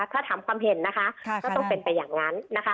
ถ้าถามความเห็นนะคะก็ต้องเป็นไปอย่างนั้นนะคะ